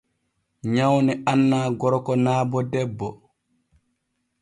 Nyawne annaa gorko naa bo debbo.